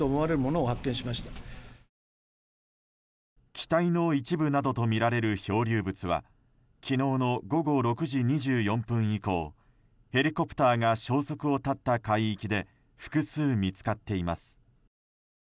機体の一部などとみられる漂流物は昨日の午後６時２４分以降ヘリコプターが消息を絶った海域で複数見つかっています。